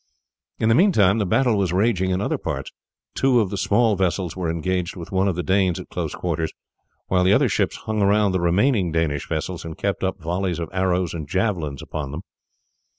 In the meantime the battle was raging in other parts. Two of the small vessels were engaged with one of the Danes at close quarters, while the other ships hung around the remaining Danish vessels and kept up volleys of arrows and javelins upon them.